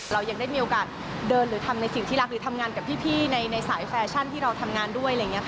เรายังได้มีโอกาสเดินหรือทำในสิ่งที่รักหรือทำงานกับพี่ในสายแฟชั่นที่เราทำงานด้วยอะไรอย่างนี้ค่ะ